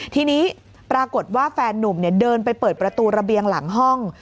ทีนี้ปรากฏว่าแฟนนุ่มเดินไปเปิดประตูระเบียงหลังห้อง